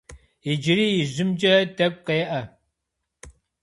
Иджыри ижьымкӏэ тӏэкӏу къеӏэ.